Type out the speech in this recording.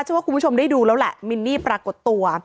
ว่าคุณผู้ชมได้ดูแล้วแหละมินนี่ปรากฏตัว